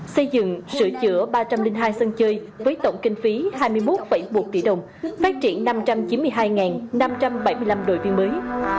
xây dựng sửa chữa ba trăm linh hai sân chơi với tổng kinh phí hai mươi một một tỷ đồng phát triển năm trăm chín mươi hai năm trăm bảy mươi năm đội viên mới